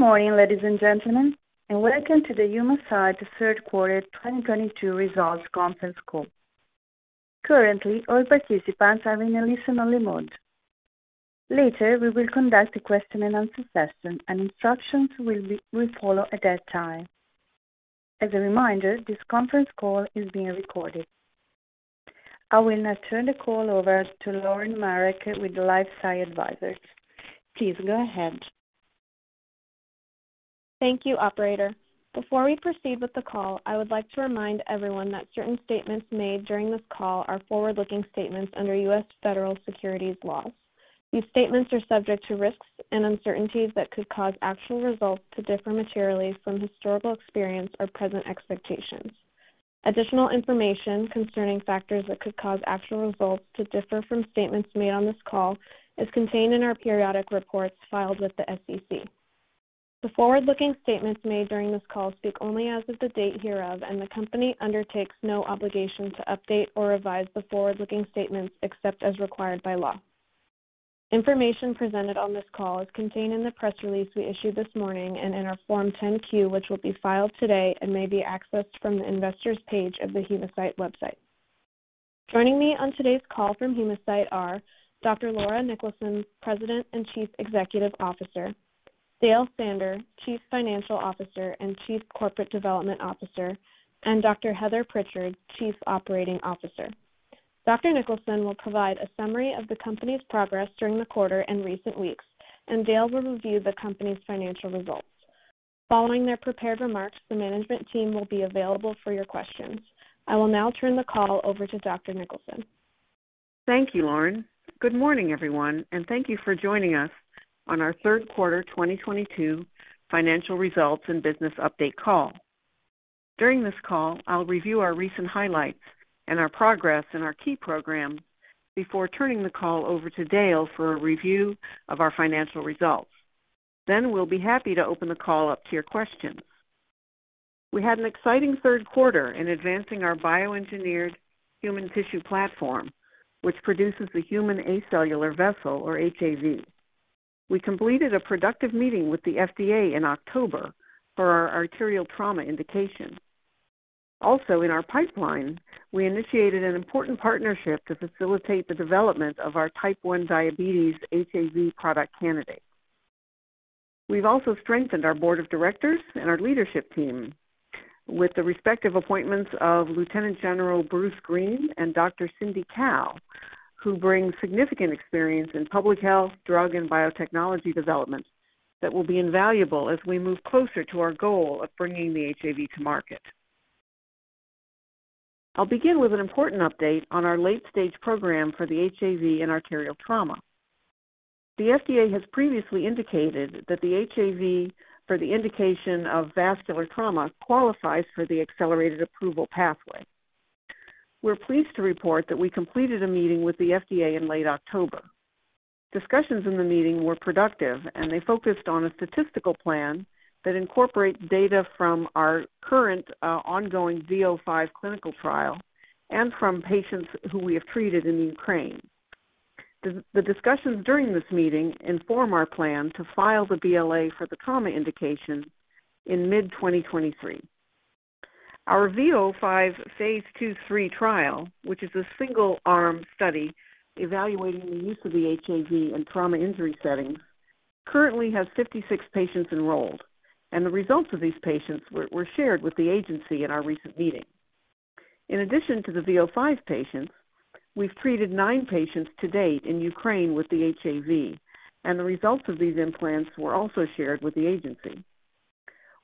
Good morning, ladies and gentlemen, and welcome to the Humacyte third quarter 2022 results conference call. Currently, all participants are in a listen-only mode. Later, we will conduct a question and answer session, and instructions will follow at that time. As a reminder, this conference call is being recorded. I will now turn the call over to Lauren Marek with the LifeSci Advisors. Please go ahead. Thank you, operator. Before we proceed with the call, I would like to remind everyone that certain statements made during this call are forward-looking statements under U.S. Federal securities laws. These statements are subject to risks and uncertainties that could cause actual results to differ materially from historical experience or present expectations. Additional information concerning factors that could cause actual results to differ from statements made on this call is contained in our periodic reports filed with the SEC. The forward-looking statements made during this call speak only as of the date hereof, and the company undertakes no obligation to update or revise the forward-looking statements except as required by law. Information presented on this call is contained in the press release we issued this morning and in our Form 10-Q, which will be filed today and may be accessed from the investors' page of the Humacyte website. Joining me on today's call from Humacyte are Dr. Laura Niklason, President and Chief Executive Officer, Dale Sander, Chief Financial Officer and Chief Corporate Development Officer, and Dr. Heather Prichard, Chief Operating Officer. Dr. Niklason will provide a summary of the company's progress during the quarter and recent weeks, and Dale will review the company's financial results. Following their prepared remarks, the management team will be available for your questions. I will now turn the call over to Dr. Niklason. Thank you, Lauren. Good morning, everyone, and thank you for joining us on our third quarter 2022 financial results and business update call. During this call, I'll review our recent highlights and our progress in our key program before turning the call over to Dale for a review of our financial results. We'll be happy to open the call up to your questions. We had an exciting third quarter in advancing our bioengineered human tissue platform, which produces the Human Acellular Vessel, or HAV. We completed a productive meeting with the FDA in October for our arterial trauma indication. Also, in our pipeline, we initiated an important partnership to facilitate the development of our type 1 diabetes HAV product candidate. We've also strengthened our board of directors and our leadership team with the respective appointments of Lieutenant General Bruce Green and Dr. Cindy Cao, who bring significant experience in public health, drug and biotechnology development that will be invaluable as we move closer to our goal of bringing the HAV to market. I'll begin with an important update on our late stage program for the HAV in vascular trauma. The FDA has previously indicated that the HAV for the indication of vascular trauma qualifies for the accelerated approval pathway. We're pleased to report that we completed a meeting with the FDA in late October. Discussions in the meeting were productive, and they focused on a statistical plan that incorporates data from our current, ongoing V005 clinical trial and from patients who we have treated in Ukraine. The discussions during this meeting inform our plan to file the BLA for the trauma indication in mid-2023. Our V005 phase II/III trial, which is a single-arm study evaluating the use of the HAV in trauma injury settings, currently has 56 patients enrolled, and the results of these patients were shared with the agency in our recent meeting. In addition to the V005 patients, we've treated 9 patients to date in Ukraine with the HAV, and the results of these implants were also shared with the agency.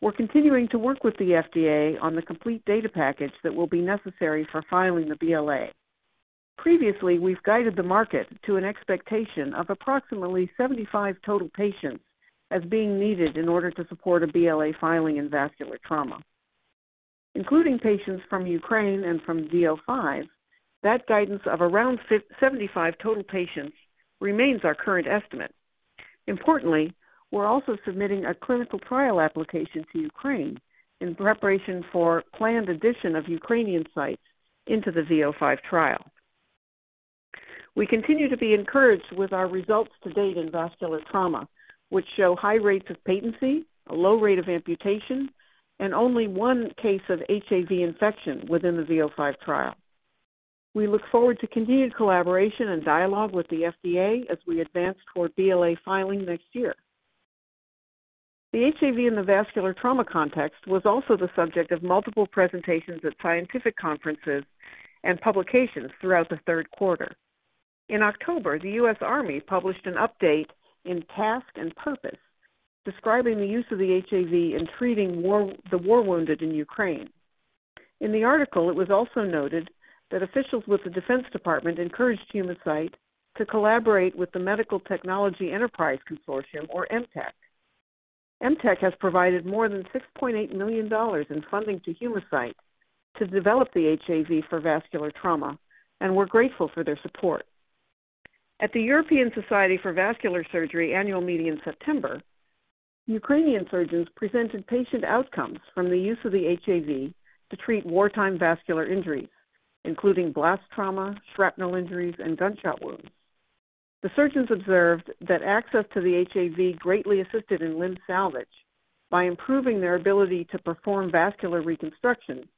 We're continuing to work with the FDA on the complete data package that will be necessary for filing the BLA. Previously, we've guided the market to an expectation of approximately 75 total patients as being needed in order to support a BLA filing in vascular trauma. Including patients from Ukraine and from V005, that guidance of around 75 total patients remains our current estimate. Importantly, we're also submitting a clinical trial application to Ukraine in preparation for planned addition of Ukrainian sites into the V005 trial. We continue to be encouraged with our results to date in vascular trauma, which show high rates of patency, a low rate of amputation, and only one case of HAV infection within the V005 trial. We look forward to continued collaboration and dialogue with the FDA as we advance toward BLA filing next year. The HAV in the vascular trauma context was also the subject of multiple presentations at scientific conferences and publications throughout the third quarter. In October, the U.S. Army published an update in Task & Purpose describing the use of the HAV in treating the war wounded in Ukraine. In the article, it was also noted that officials with the Defense Department encouraged Humacyte to collaborate with the Medical Technology Enterprise Consortium, or MTEC. MTEC has provided more than $6.8 million in funding to Humacyte to develop the HAV for vascular trauma, and we're grateful for their support. At the European Society for Vascular Surgery annual meeting in September, Ukrainian surgeons presented patient outcomes from the use of the HAV to treat wartime vascular injuries, including blast trauma, shrapnel injuries, and gunshot wounds. The surgeons observed that access to the HAV greatly assisted in limb salvage by improving their ability to perform vascular reconstruction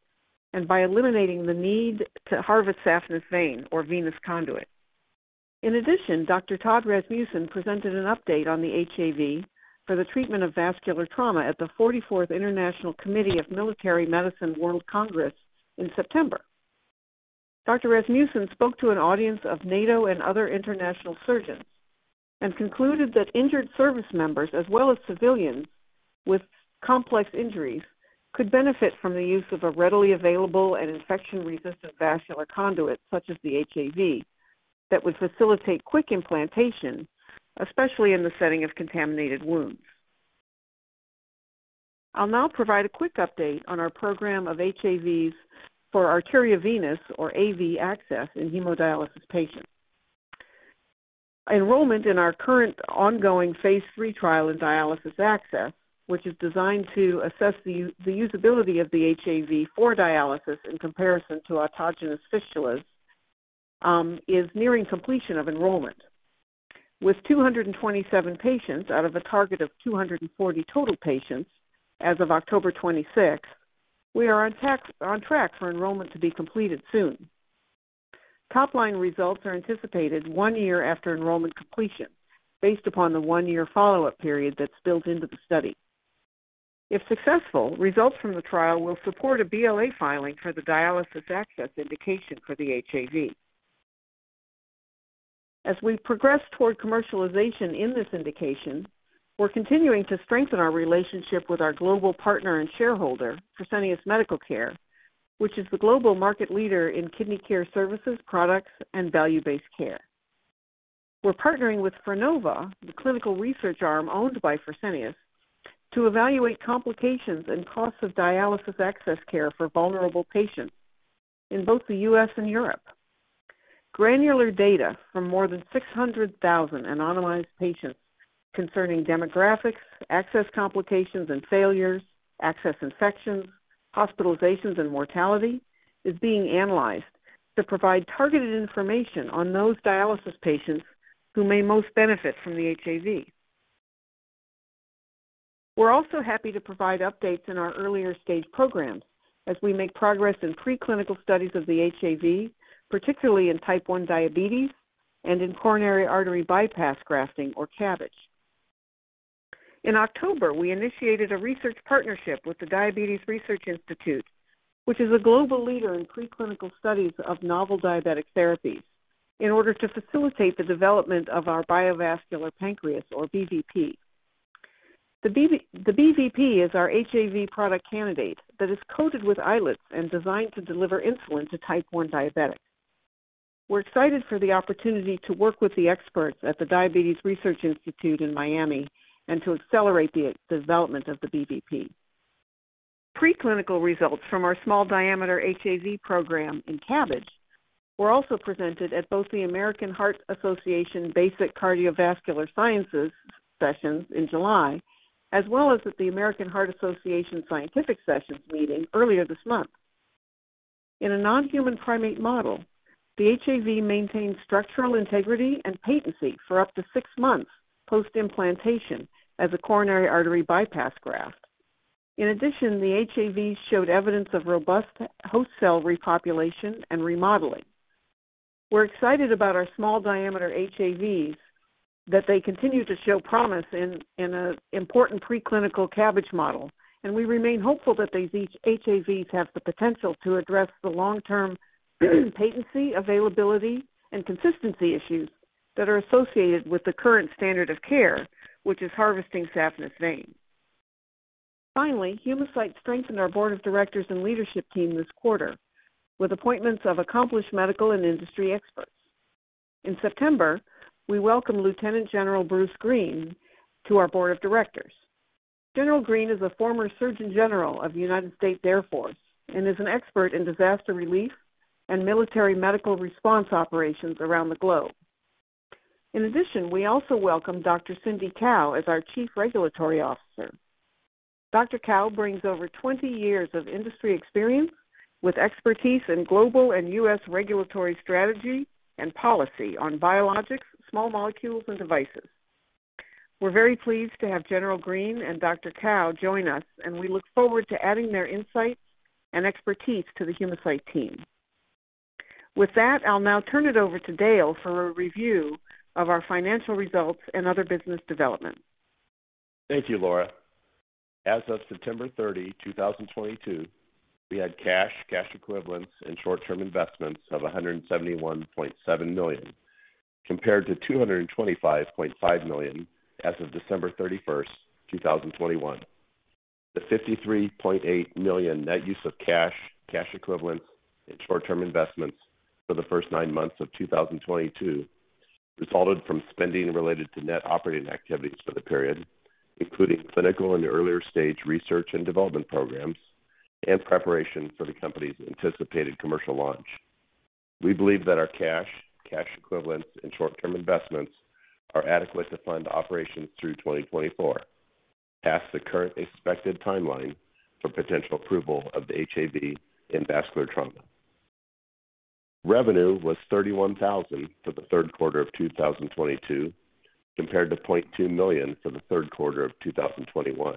and by eliminating the need to harvest saphenous vein or venous conduit. In addition, Dr. Todd E. Rasmussen presented an update on the HAV for the treatment of vascular trauma at the 44th International Committee of Military Medicine World Congress in September. Dr. Rasmussen spoke to an audience of NATO and other international surgeons and concluded that injured service members, as well as civilians with complex injuries, could benefit from the use of a readily available and infection-resistant vascular conduit, such as the HAV, that would facilitate quick implantation, especially in the setting of contaminated wounds. I'll now provide a quick update on our program of HAVs for arteriovenous, or AV, access in hemodialysis patients. Enrollment in our current ongoing phase III trial in dialysis access, which is designed to assess the usability of the HAV for dialysis in comparison to autogenous fistulas, is nearing completion of enrollment. With 227 patients out of a target of 240 total patients as of October 26th, we are on track for enrollment to be completed soon. Top-line results are anticipated one year after enrollment completion based upon the one-year follow-up period that's built into the study. If successful, results from the trial will support a BLA filing for the dialysis access indication for the HAV. As we progress toward commercialization in this indication, we're continuing to strengthen our relationship with our global partner and shareholder, Fresenius Medical Care, which is the global market leader in kidney care services, products, and value-based care. We're partnering with Frenova, the clinical research arm owned by Fresenius, to evaluate complications and costs of dialysis access care for vulnerable patients in both the U.S. and Europe. Granular data from more than 600,000 anonymized patients concerning demographics, access complications and failures, access infections, hospitalizations, and mortality is being analyzed to provide targeted information on those dialysis patients who may most benefit from the HAV. We're also happy to provide updates in our earlier stage programs as we make progress in preclinical studies of the HAV, particularly in type 1 diabetes and in coronary artery bypass grafting or CABG. In October, we initiated a research partnership with the Diabetes Research Institute, which is a global leader in preclinical studies of novel diabetic therapies, in order to facilitate the development of our BioVascular Pancreas or BVP. The BVP is our HAV product candidate that is coated with islets and designed to deliver insulin to type 1 diabetics. We're excited for the opportunity to work with the experts at the Diabetes Research Institute in Miami and to accelerate the development of the BVP. Preclinical results from our small diameter HAV program in CABG were also presented at both the American Heart Association Basic Cardiovascular Sciences sessions in July, as well as at the American Heart Association Scientific Sessions meeting earlier this month. In a non-human primate model, the HAV maintained structural integrity and patency for up to six months post-implantation as a coronary artery bypass graft. In addition, the HAV showed evidence of robust host cell repopulation and remodeling. We're excited about our small diameter HAVs, that they continue to show promise in an important preclinical CABG model, and we remain hopeful that these HAVs have the potential to address the long-term patency, availability, and consistency issues that are associated with the current standard of care, which is harvesting saphenous vein. Finally, Humacyte strengthened our board of directors and leadership team this quarter with appointments of accomplished medical and industry experts. In September, we welcomed Lieutenant General C. Bruce Green to our board of directors. General Green is a former surgeon general of the United States Air Force and is an expert in disaster relief and military medical response operations around the globe. In addition, we also welcomed Dr. Cindy Cao as our chief regulatory officer. Dr. Cao brings over 20 years of industry experience with expertise in global and U.S. regulatory strategy and policy on biologics, small molecules, and devices. We're very pleased to have General Green and Dr. Cao join us, and we look forward to adding their insights and expertise to the Humacyte team. With that, I'll now turn it over to Dale for a review of our financial results and other business developments. Thank you, Laura. As of September 30, 2022, we had cash equivalents, and short-term investments of $171.7 million, compared to $225.5 million as of December 31st, 2021. The $53.8 million net use of cash equivalents, and short-term investments for the first nine months of 2022 resulted from spending related to net operating activities for the period, including clinical and earlier-stage research and development programs and preparation for the company's anticipated commercial launch. We believe that our cash equivalents, and short-term investments are adequate to fund operations through 2024. Past the current expected timeline for potential approval of the HAV in vascular trauma. Revenue was $31,000 for the third quarter of 2022, compared to $0.2 million for the third quarter of 2021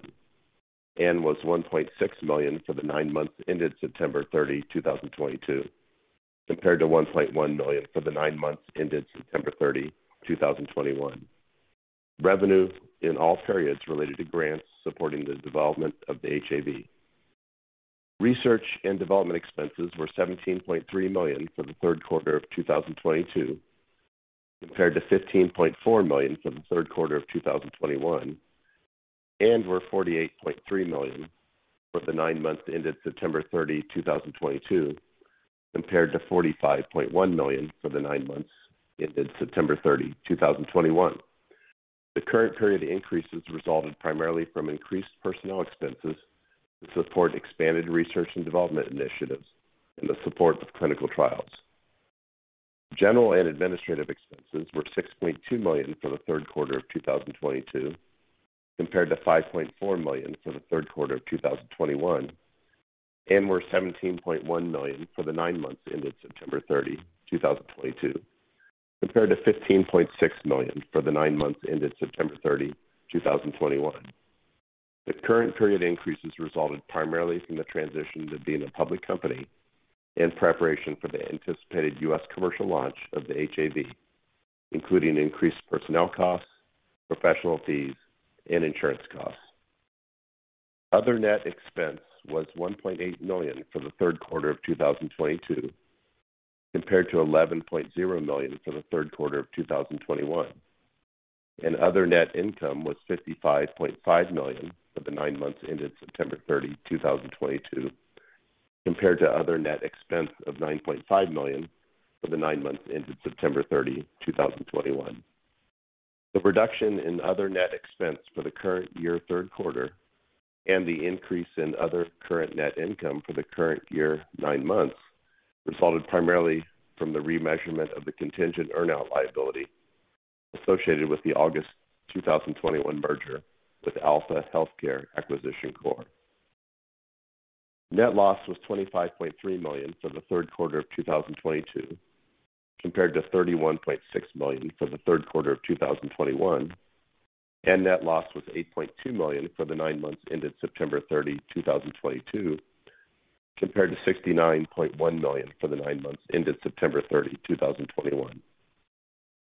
and was $1.6 million for the nine months ended September 30, 2022, compared to $1.1 million for the nine months ended September 30, 2021. Revenue in all periods related to grants supporting the development of the HAV. Research and development expenses were $17.3 million for the third quarter of 2022, compared to $15.4 million for the third quarter of 2021 and were $48.3 million for the nine months ended September 30, 2022, compared to $45.1 million for the nine months ended September 30, 2021. The current period increases resulted primarily from increased personnel expenses to support expanded research and development initiatives in the support of clinical trials. General and administrative expenses were $6.2 million for the third quarter of 2022 compared to $5.4 million for the third quarter of 2021 and were $17.1 million for the nine months ended September 30, 2022, compared to $15.6 million for the nine months ended September 30, 2021. The current period increases resulted primarily from the transition to being a public company in preparation for the anticipated U.S. commercial launch of the HAV, including increased personnel costs, professional fees, and insurance costs. Other net expense was $1.8 million for the third quarter of 2022 compared to $11.0 million for the third quarter of 2021. Other net income was $55.5 million for the nine months ended September 30, 2022, compared to other net expense of $9.5 million for the nine months ended September 30, 2021. The reduction in other net expense for the current year third quarter and the increase in other current net income for the current year nine months resulted primarily from the remeasurement of the contingent earnout liability associated with the August 2021 merger with Alpha Healthcare Acquisition Corp. Net loss was $25.3 million for the third quarter of 2022 compared to $31.6 million for the third quarter of 2021. Net loss was $8.2 million for the nine months ended September 30, 2022, compared to $69.1 million for the nine months ended September 30, 2021.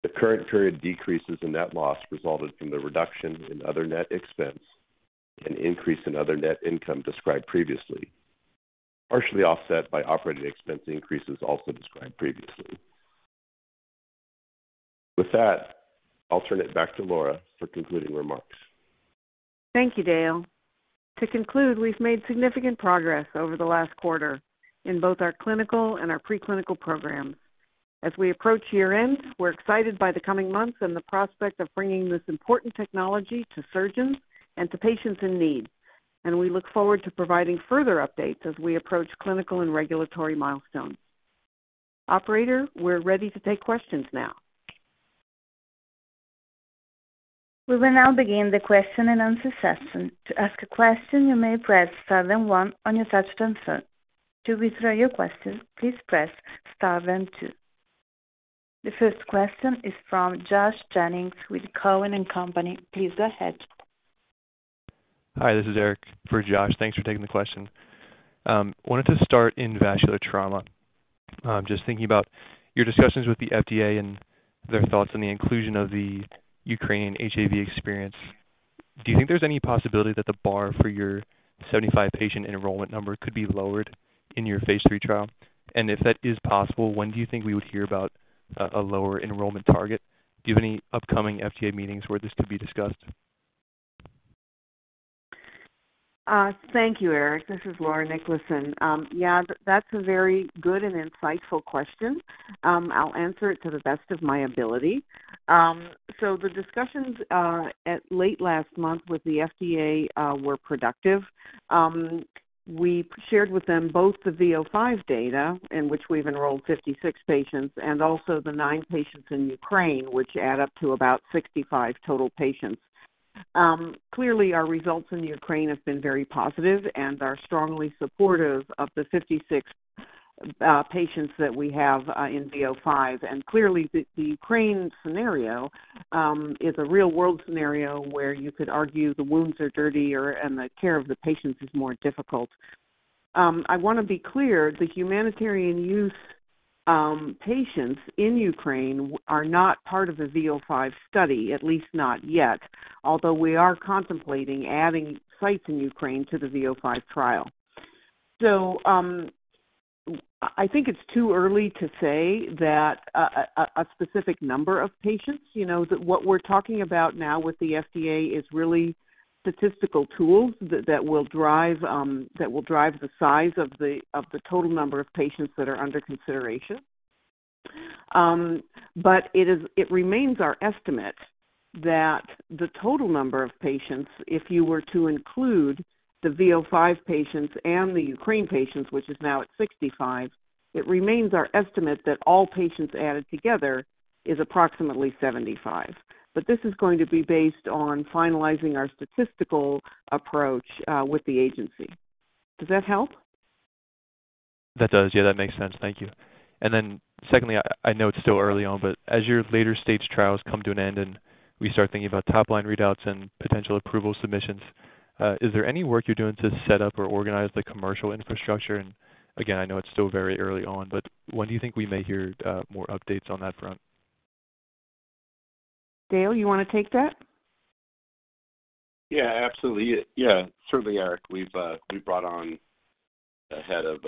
The current period decreases in net loss resulted from the reduction in other net expense and increase in other net income described previously, partially offset by operating expense increases also described previously. With that, I'll turn it back to Laura for concluding remarks. Thank you, Dale. To conclude, we've made significant progress over the last quarter in both our clinical and our preclinical programs. As we approach year-end, we're excited by the coming months and the prospect of bringing this important technology to surgeons and to patients in need, and we look forward to providing further updates as we approach clinical and regulatory milestones. Operator, we're ready to take questions now. We will now begin the question-and-answer session. To ask a question, you may press star then one on your touch-tone phone. To withdraw your question, please press star then two. The first question is from Josh Jennings with TD Cowen. Please go ahead. Hi, this is Eric for Josh. Thanks for taking the question. Wanted to start in vascular trauma. Just thinking about your discussions with the FDA and their thoughts on the inclusion of the Ukrainian HAV experience, do you think there's any possibility that the bar for your 75 patient enrollment number could be lowered in your phase III trial? If that is possible, when do you think we would hear about a lower enrollment target? Do you have any upcoming FDA meetings where this could be discussed? Thank you, Eric. This is Laura Niklason. Yeah, that's a very good and insightful question. I'll answer it to the best of my ability. So the discussions in late last month with the FDA were productive. We shared with them both the V005 data, in which we've enrolled 56 patients and also the 9 patients in Ukraine, which add up to about 65 total patients. Clearly, our results in Ukraine have been very positive and are strongly supportive of the 56 patients that we have in V005. Clearly the Ukraine scenario is a real-world scenario where you could argue the wounds are dirtier and the care of the patients is more difficult. I wanna be clear, the humanitarian use patients in Ukraine are not part of the V005 study, at least not yet, although we are contemplating adding sites in Ukraine to the V005 trial. I think it's too early to say that a specific number of patients. You know, what we're talking about now with the FDA is really statistical tools that will drive the size of the total number of patients that are under consideration. It remains our estimate that the total number of patients, if you were to include the V005 patients and the Ukraine patients, which is now at 65, it remains our estimate that all patients added together is approximately 75. This is going to be based on finalizing our statistical approach with the agency. Does that help? That does. Yeah, that makes sense. Thank you. Then secondly, I know it's still early on, but as your later stage trials come to an end and we start thinking about top line readouts and potential approval submissions, is there any work you're doing to set up or organize the commercial infrastructure? Again, I know it's still very early on, but when do you think we may hear more updates on that front? Dale, you wanna take that? Yeah, absolutely. Yeah, certainly, Eric. We've brought on a head of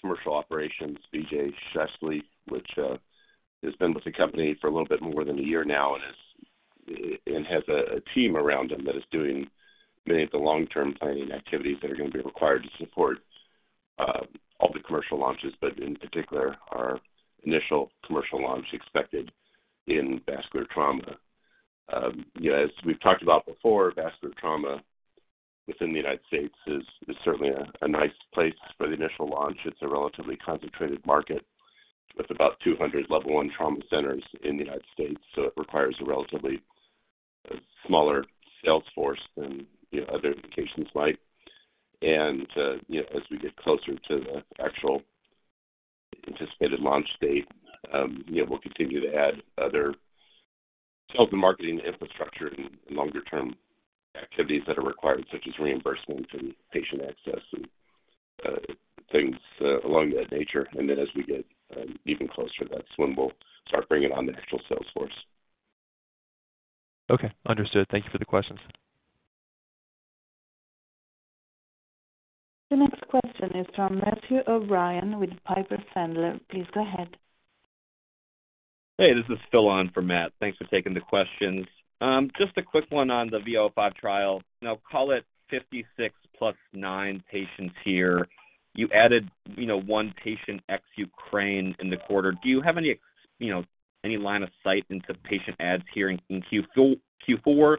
commercial operations, B.J. Scheessele, which has been with the company for a little bit more than a year now and has a team around him that is doing many of the long-term planning activities that are gonna be required to support all the commercial launches, but in particular, our initial commercial launch expected in vascular trauma. You know, as we've talked about before, vascular trauma within the United States is certainly a nice place for the initial launch. It's a relatively concentrated market with about 200 level one trauma centers in the United States, so it requires a relatively smaller sales force than other locations might. You know, as we get closer to the actual anticipated launch date, you know, we'll continue to add other sales and marketing infrastructure and longer term activities that are required, such as reimbursements and patient access and things of that nature. Then as we get even closer, that's when we'll start bringing on the actual sales force. Okay. Understood. Thank you for the questions. The next question is from Matthew O'Brien with Piper Sandler. Please go ahead. Hey, this is Phil on for Matt. Thanks for taking the questions. Just a quick one on the V005 trial. Now call it 56 + 9 patients here. You added, you know, one patient ex-Ukraine in the quarter. Do you have any, you know, any line of sight into patient adds here in Q4?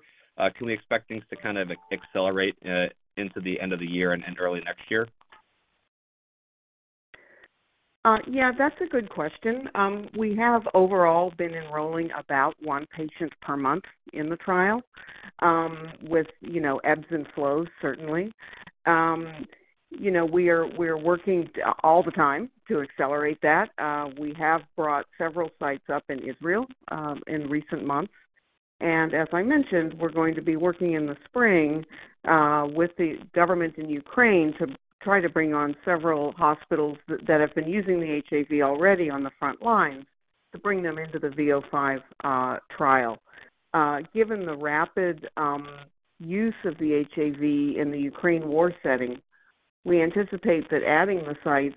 Can we expect things to kind of accelerate into the end of the year and early next year? Yeah, that's a good question. We have overall been enrolling about one patient per month in the trial, with, you know, ebbs and flows certainly. You know, we're working all the time to accelerate that. We have brought several sites up in Israel in recent months. As I mentioned, we're going to be working in the spring with the government in Ukraine to try to bring on several hospitals that have been using the HAV already on the front lines to bring them into the V005 trial. Given the rapid use of the HAV in the Ukraine war setting, we anticipate that adding the sites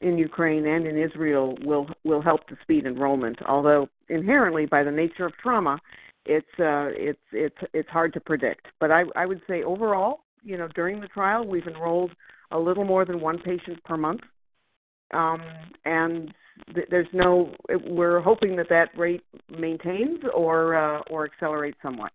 in Ukraine and in Israel will help to speed enrollment. Although inherently, by the nature of trauma, it's hard to predict. I would say overall, you know, during the trial, we've enrolled a little more than one patient per month. We're hoping that rate maintains or accelerates somewhat.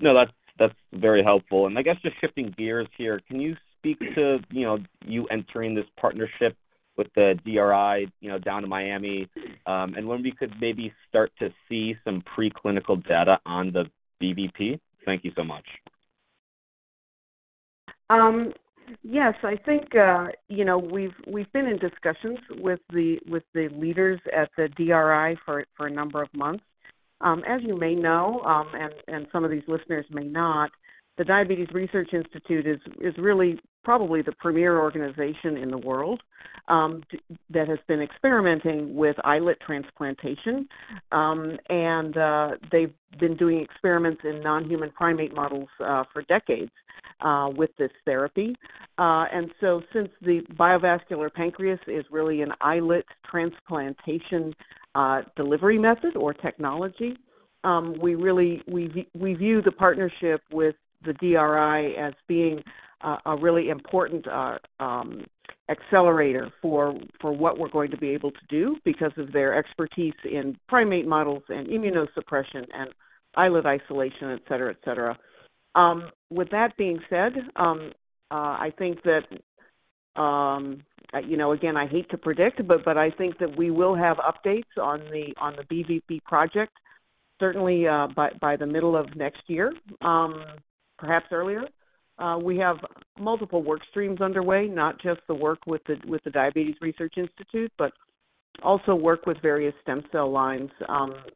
No, that's very helpful. I guess just shifting gears here, can you speak to, you know, you entering this partnership with the DRI, you know, down in Miami, and when we could maybe start to see some preclinical data on the BVP? Thank you so much. Yes. I think, you know, we've been in discussions with the leaders at the DRI for a number of months. As you may know, and some of these listeners may not, the Diabetes Research Institute is really probably the premier organization in the world that has been experimenting with islet transplantation. They've been doing experiments in non-human primate models for decades with this therapy. Since the BioVascular Pancreas is really an islet transplantation delivery method or technology, we really view the partnership with the DRI as being a really important accelerator for what we're going to be able to do because of their expertise in primate models and immunosuppression and islet isolation, et cetera, et cetera. With that being said, I think that you know, again, I hate to predict, but I think that we will have updates on the BVP project certainly by the middle of next year, perhaps earlier. We have multiple work streams underway, not just the work with the Diabetes Research Institute, but also work with various stem cell lines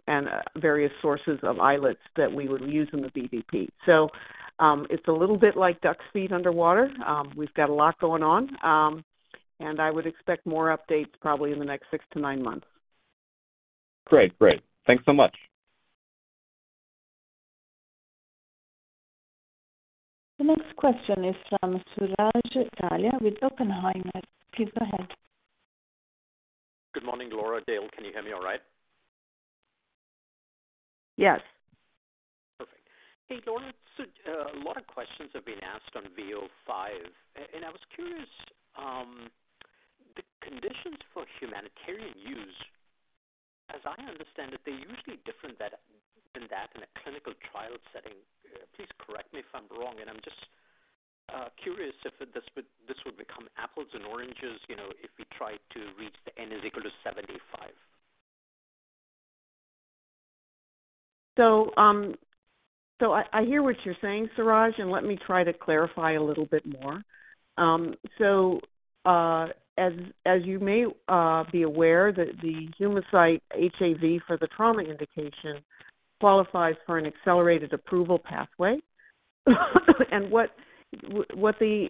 and various sources of islets that we would use in the BVP. It's a little bit like ducks' feet underwater. We've got a lot going on. I would expect more updates probably in the next 6 months-9 months. Great. Thanks so much. The next question is from Suraj Kalia with Oppenheimer. Please go ahead. Good morning, Laura. Dale, can you hear me all right? Yes. Perfect. Hey, Laura. A lot of questions have been asked on V005. And I was curious, the conditions for humanitarian use, as I understand it, they're usually different than that in a clinical trial setting. Please correct me if I'm wrong, and I'm just curious if this would become apples and oranges, you know, if we try to reach the N is equal to 75. I hear what you're saying, Suraj, and let me try to clarify a little bit more. As you may be aware, the Humacyte HAV for the trauma indication qualifies for an accelerated approval pathway. What the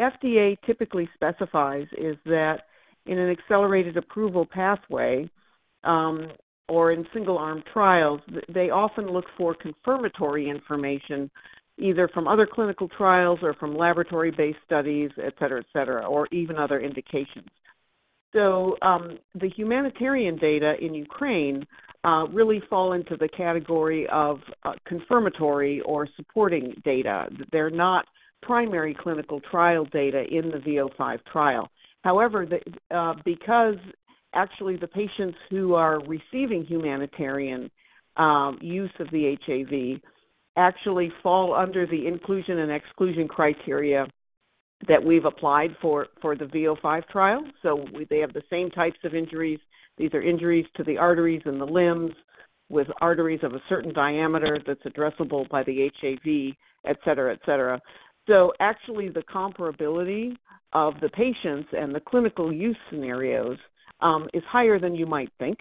FDA typically specifies is that in an accelerated approval pathway or in single-arm trials, they often look for confirmatory information, either from other clinical trials or from laboratory-based studies, et cetera, or even other indications. The humanitarian data in Ukraine really fall into the category of confirmatory or supporting data. They're not primary clinical trial data in the V005 trial. However, because actually the patients who are receiving humanitarian use of the HAV actually fall under the inclusion and exclusion criteria that we've applied for the V005 trial. They have the same types of injuries. These are injuries to the arteries and the limbs with arteries of a certain diameter that's addressable by the HAV, et cetera, et cetera. Actually the comparability of the patients and the clinical use scenarios is higher than you might think.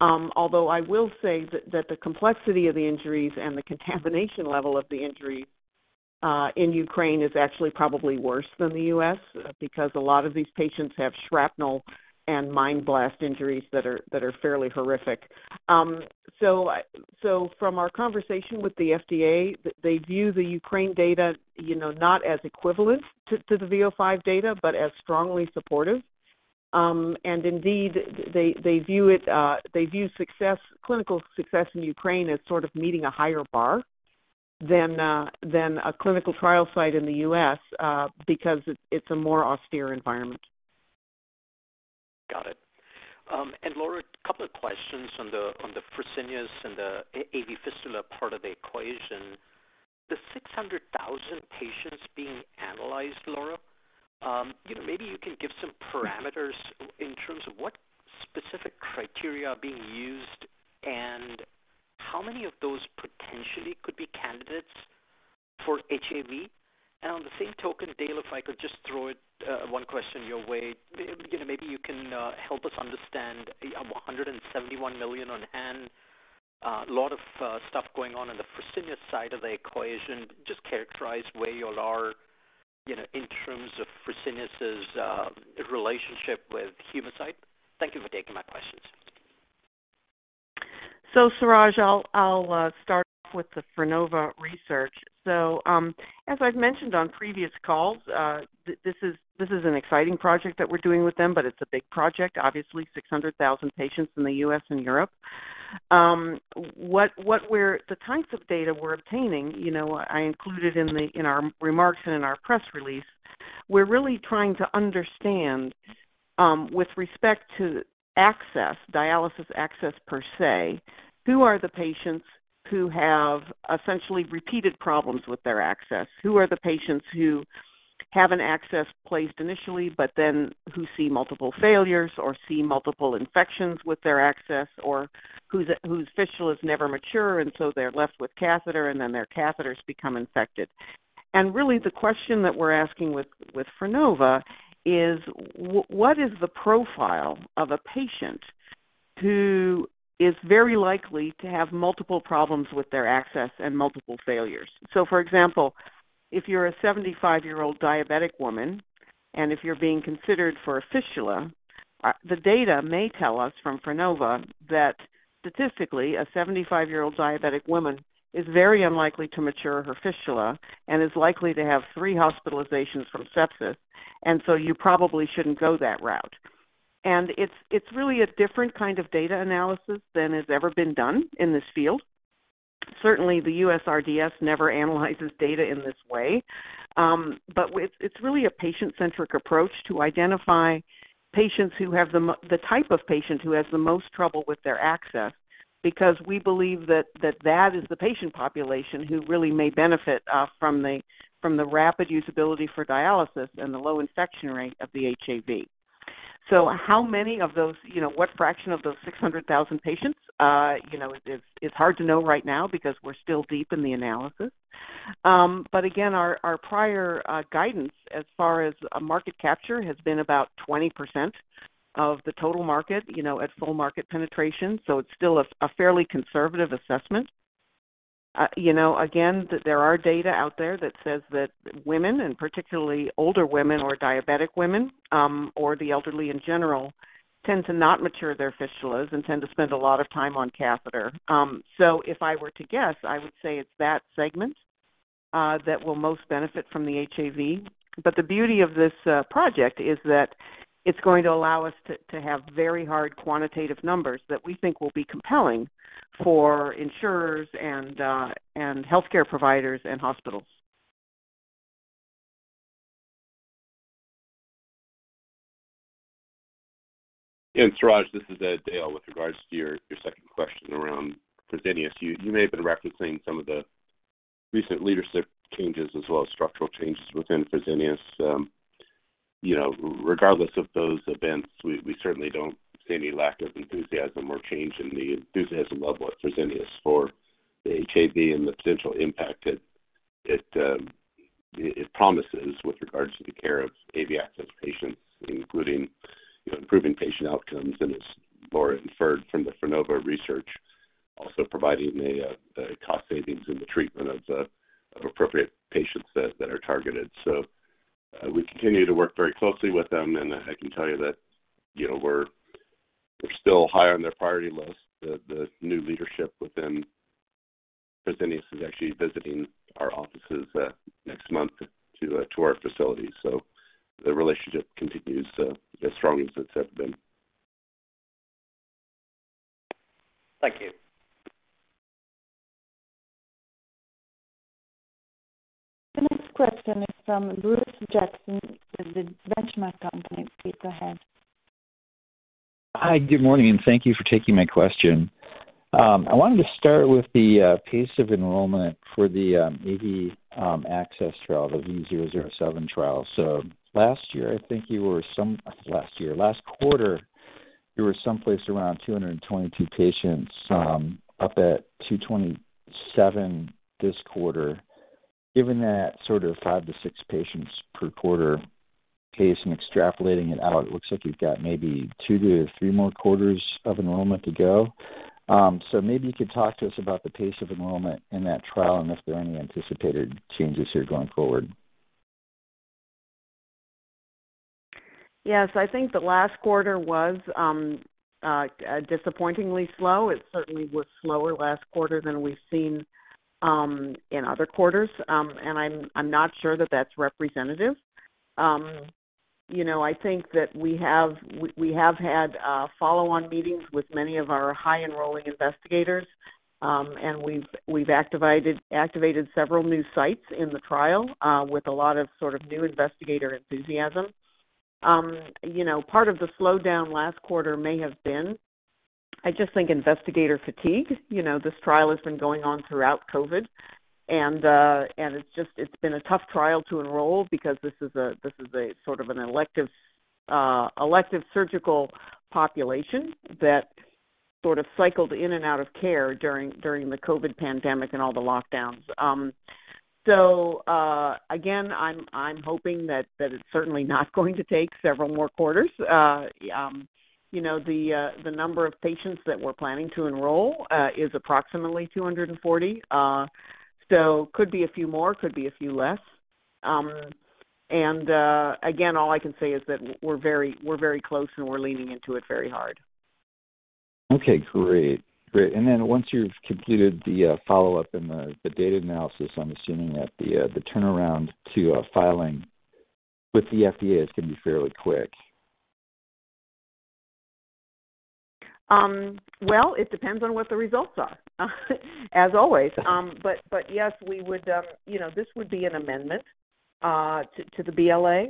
Although I will say that the complexity of the injuries and the contamination level of the injury in Ukraine is actually probably worse than the U.S. because a lot of these patients have shrapnel and mine blast injuries that are fairly horrific. From our conversation with the FDA, they view the Ukraine data, you know, not as equivalent to the V005 data, but as strongly supportive. Indeed, they view clinical success in Ukraine as sort of meeting a higher bar than a clinical trial site in the U.S., because it's a more austere environment. Got it. And Laura, a couple of questions on the Fresenius and the AV fistula part of the equation. The 600,000 patients being analyzed, Laura, you know, maybe you can give some parameters in terms of what specific criteria are being used and how many of those potentially could be candidates for HAV? And on the same token, Dale, if I could just throw it one question your way. You know, maybe you can help us understand $171 million on hand, a lot of stuff going on in the Fresenius side of the equation. Just characterize where you are, you know, in terms of Fresenius's relationship with Humacyte. Thank you for taking my questions. Suraj, I'll start with the Frenova research. As I've mentioned on previous calls, this is an exciting project that we're doing with them, but it's a big project, obviously 600,000 patients in the U.S. and Europe. The types of data we're obtaining, you know, I included in our remarks and in our press release. We're really trying to understand with respect to access, dialysis access per se, who are the patients who have essentially repeated problems with their access? Who are the patients who have an access placed initially, but then who see multiple failures or see multiple infections with their access or whose fistula is never mature, and so they're left with catheter, and then their catheters become infected. Really, the question that we're asking with Frenova is what is the profile of a patient who is very likely to have multiple problems with their access and multiple failures? For example, if you're a 75-year-old diabetic woman, and if you're being considered for a fistula, the data may tell us from Frenova that statistically, a 75-year-old diabetic woman is very unlikely to mature her fistula and is likely to have three hospitalizations from sepsis. You probably shouldn't go that route. It's really a different kind of data analysis than has ever been done in this field. Certainly, the USRDS never analyzes data in this way. It's really a patient-centric approach to identify patients who have the type of patient who has the most trouble with their access, because we believe that that is the patient population who really may benefit from the rapid usability for dialysis and the low infection rate of the HAV. How many of those, you know, what fraction of those 600,000 patients? You know, it's hard to know right now because we're still deep in the analysis. Again, our prior guidance as far as market capture has been about 20% of the total market, you know, at full market penetration. It's still a fairly conservative assessment. You know, again, there are data out there that says that women, and particularly older women or diabetic women, or the elderly in general, tend to not mature their fistulas and tend to spend a lot of time on catheter. If I were to guess, I would say it's that segment that will most benefit from the HAV. The beauty of this project is that it's going to allow us to have very hard quantitative numbers that we think will be compelling for insurers and healthcare providers and hospitals. Suraj, this is Dale Sander. With regards to your second question around Fresenius, you may have been referencing some of the recent leadership changes as well as structural changes within Fresenius. You know, regardless of those events, we certainly don't see any lack of enthusiasm or change in the enthusiasm level at Fresenius for the HAV and the potential impact it promises with regards to the care of AV access patients, including, you know, improving patient outcomes and as Laura inferred from the Frenova research, also providing a cost savings in the treatment of appropriate patients that are targeted. We continue to work very closely with them, and I can tell you that, you know, we're still high on their priority list. The new leadership within Fresenius is actually visiting our offices next month to our facilities. The relationship continues as strong as it's ever been. Thank you. The next question is from Bruce Jackson with Benchmark Company. Please go ahead. Hi, good morning, and thank you for taking my question. I wanted to start with the pace of enrollment for the AV access trial, the V007 trial. Last quarter, you were someplace around 222 patients, up at 227 this quarter. Given that sort of 5-6 patients per quarter pace and extrapolating it out, it looks like you've got maybe 2-3 more quarters of enrollment to go. Maybe you could talk to us about the pace of enrollment in that trial and if there are any anticipated changes here going forward. Yes, I think the last quarter was disappointingly slow. It certainly was slower last quarter than we've seen in other quarters. I'm not sure that that's representative. You know, I think that we have had follow-on meetings with many of our high-enrolling investigators, and we've activated several new sites in the trial with a lot of sort of new investigator enthusiasm. You know, part of the slowdown last quarter may have been, I just think, investigator fatigue. You know, this trial has been going on throughout COVID and it's just been a tough trial to enroll because this is a sort of an elective surgical population that sort of cycled in and out of care during the COVID pandemic and all the lockdowns. Again, I'm hoping that it's certainly not going to take several more quarters. You know, the number of patients that we're planning to enroll is approximately 240. Could be a few more, could be a few less. Again, all I can say is that we're very close, and we're leaning into it very hard. Okay, great. Once you've completed the follow-up and the data analysis, I'm assuming that the turnaround to a filing with the FDA is gonna be fairly quick. Well, it depends on what the results are as always. Yes, we would, you know, this would be an amendment to the BLA.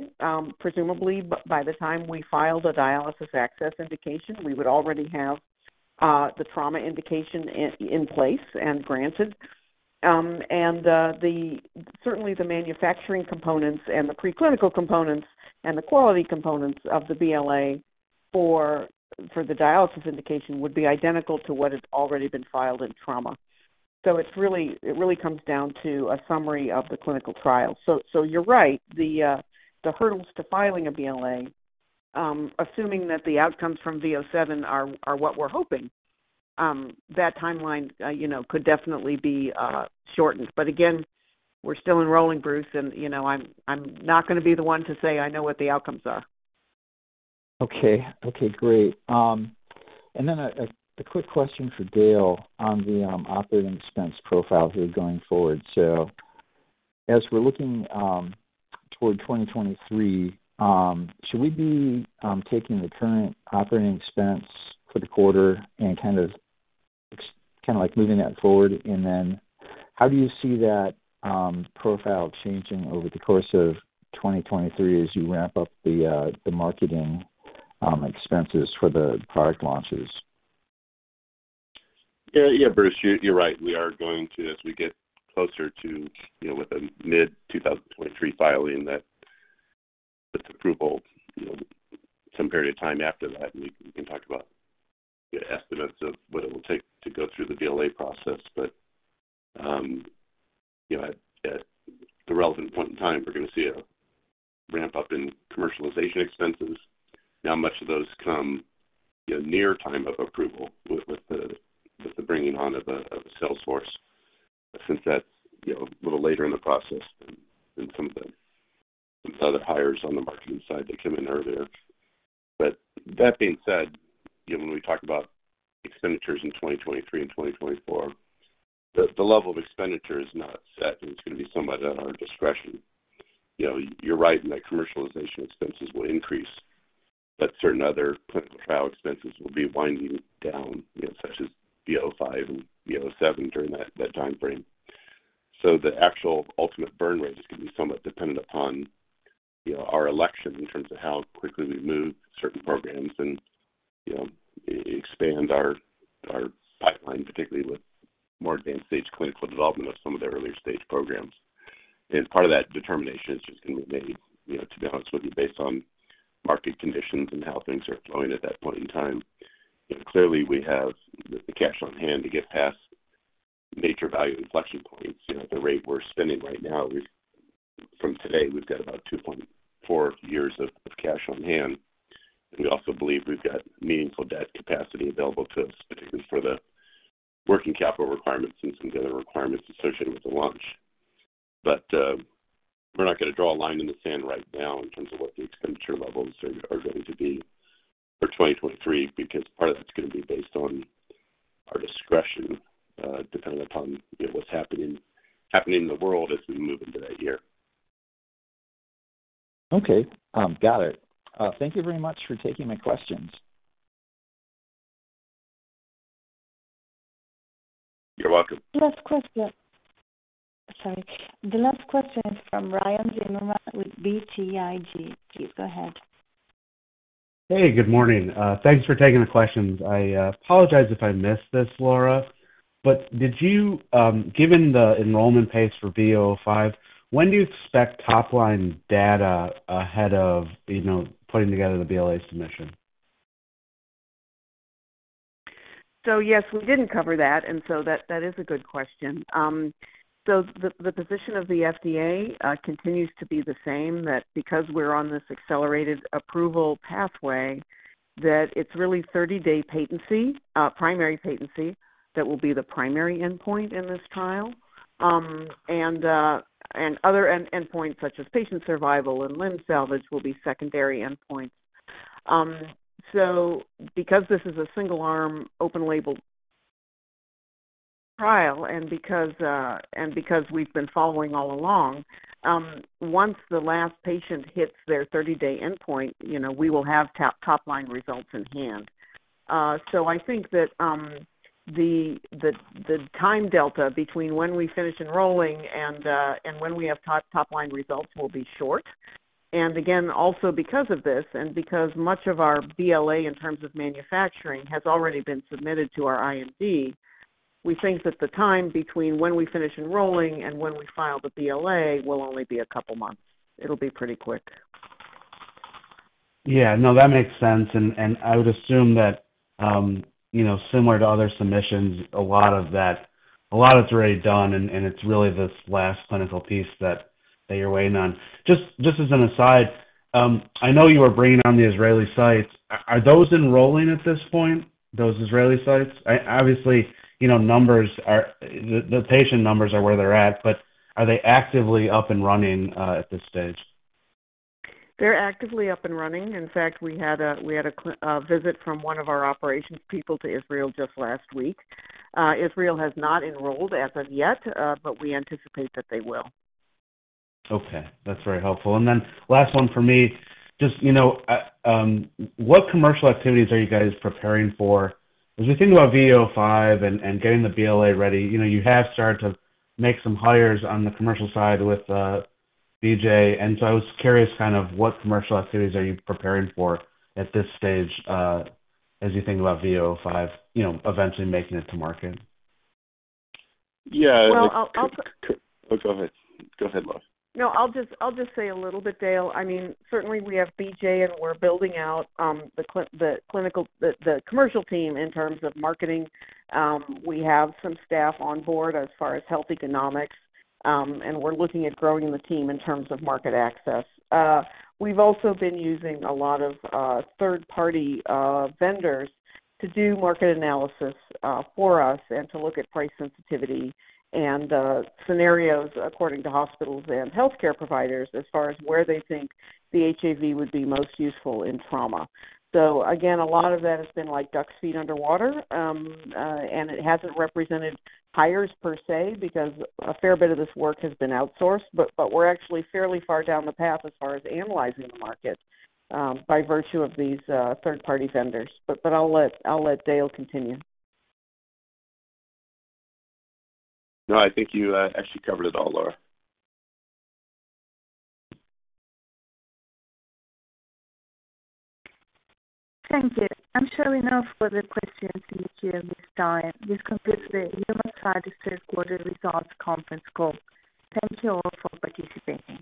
Presumably by the time we filed a dialysis access indication, we would already have the trauma indication in place and granted. Certainly the manufacturing components and the preclinical components and the quality components of the BLA for the dialysis indication would be identical to what has already been filed in trauma. It really comes down to a summary of the clinical trial. You're right. The hurdles to filing a BLA, assuming that the outcomes from V007 are what we're hoping, that timeline, you know, could definitely be shortened. Again, we're still enrolling, Bruce, and you know, I'm not gonna be the one to say I know what the outcomes are. Okay, great. A quick question for Dale on the operating expense profile here going forward. As we're looking toward 2023, should we be taking the current operating expense for the quarter and kind of like moving that forward? How do you see that profile changing over the course of 2023 as you ramp up the marketing expenses for the product launches? Yeah. Yeah, Bruce, you're right. We are going to, as we get closer to, you know, with a mid-2023 filing that, this approval, you know, some period of time after that, we can talk about the estimates of what it will take to go through the BLA process. But, you know, at the relevant point in time, we're gonna see a ramp-up in commercialization expenses. Now, much of those come, you know, near time of approval with the bringing on of a sales force since that's, you know, a little later in the process than some of the other hires on the marketing side that come in earlier. That being said, you know, when we talk about expenditures in 2023 and 2024, the level of expenditure is not set, and it's gonna be somewhat at our discretion. You know, you're right in that commercialization expenses will increase, but certain other clinical trial expenses will be winding down, you know, such as V005 and V007 during that time frame. The actual ultimate burn rate is gonna be somewhat dependent upon, you know, our election in terms of how quickly we move certain programs and you know, expand our pipeline, particularly with more advanced stage clinical development of some of the earlier stage programs. Part of that determination is just gonna be made, you know, to be honest with you, based on market conditions and how things are going at that point in time. You know, clearly we have the cash on hand to get past major value inflection points. You know, at the rate we're spending right now, from today, we've got about 2.4 years of cash on hand. We also believe we've got meaningful debt capacity available to us, particularly for the working capital requirements and some of the other requirements associated with the launch. We're not gonna draw a line in the sand right now in terms of what the expenditure levels are going to be for 2023 because part of that's gonna be based on our discretion, depending upon, you know, what's happening in the world as we move into that year. Okay. Got it. Thank you very much for taking my questions. You're welcome. Sorry. The last question is from Ryan Zimmerman with BTIG. Please go ahead. Hey, good morning. Thanks for taking the questions. I apologize if I missed this, Laura. Given the enrollment pace for V005, when do you expect top-line data ahead of, you know, putting together the BLA submission? Yes, we didn't cover that is a good question. The position of the FDA continues to be the same, that because we're on this accelerated approval pathway, that it's really 30-day patency, primary patency, that will be the primary endpoint in this trial. Other endpoints such as patient survival and limb salvage will be secondary endpoints. Because this is a single-arm open label trial and because we've been following all along, once the last patient hits their 30-day endpoint, you know, we will have top line results in hand. I think that the time delta between when we finish enrolling and when we have top line results will be short. Again, also because of this, and because much of our BLA in terms of manufacturing has already been submitted to our IND, we think that the time between when we finish enrolling and when we file the BLA will only be a couple months. It'll be pretty quick. Yeah. No, that makes sense. I would assume that, you know, similar to other submissions, a lot of that is already done, and it's really this last clinical piece that you're waiting on. Just as an aside, I know you are bringing on the Israeli sites. Are those enrolling at this point, those Israeli sites? Obviously, you know, the patient numbers are where they're at, but are they actively up and running at this stage? They're actively up and running. In fact, we had a visit from one of our operations people to Israel just last week. Israel has not enrolled as of yet, but we anticipate that they will. Okay. That's very helpful. Last one for me. Just, you know, what commercial activities are you guys preparing for? As we think about V005 and getting the BLA ready, you know, you have started to make some hires on the commercial side with B.J. I was curious kind of what commercial activities are you preparing for at this stage, as you think about V005, you know, eventually making it to market? Yeah. Well, I'll Oh, go ahead, Laura. No, I'll just say a little bit, Dale. I mean, certainly we have BJ, and we're building out the clinical, the commercial team in terms of marketing. We have some staff on board as far as health economics, and we're looking at growing the team in terms of market access. We've also been using a lot of third-party vendors to do market analysis for us and to look at price sensitivity and scenarios according to hospitals and healthcare providers as far as where they think the HAV would be most useful in trauma. Again, a lot of that has been like duck speed underwater. It hasn't represented hires per se because a fair bit of this work has been outsourced, but we're actually fairly far down the path as far as analyzing the market by virtue of these third-party vendors. I'll let Dale continue. No, I think you actually covered it all, Laura. Thank you. I'm showing no further questions in the queue at this time. This concludes Humacyte's third quarter results conference call. Thank you all for participating.